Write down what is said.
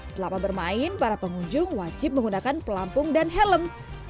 selama bermain para pengunjung wajib menggunakan pelampung dan helm